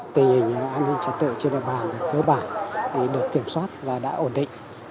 tình hình an ninh trả tự trên đoàn bàn cơ bản được kiểm soát và đã ổn định